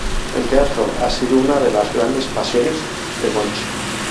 El teatro ha sido una de las grandes pasiones de Moncho.